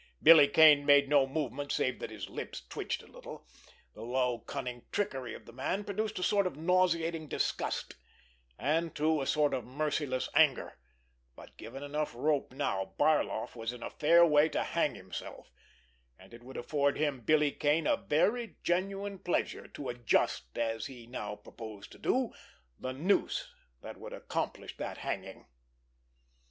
Billy Kane made no movement save that his lips twitched a little. The low, cunning trickery of the man produced a sort of nauseating disgust, and, too, a sort of merciless anger; but, given enough rope now, Barloff was in a fair way to hang himself, and it would afford him, Billy Kane, a very genuine pleasure to adjust, as he now proposed to do, the noose that would accomplish that hanging!